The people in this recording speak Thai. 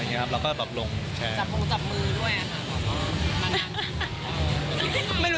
เราก็แบบลงแชร์